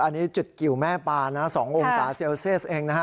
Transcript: อันนี้จุดกิวแม่ปานนะ๒องศาเซลเซียสเองนะฮะ